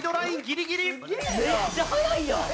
めっちゃ速いやん。